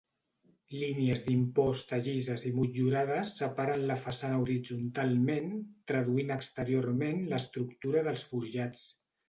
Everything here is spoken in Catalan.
Línies d'imposta llises i motllurades separen la façana horitzontalment, traduint exteriorment l'estructura dels forjats.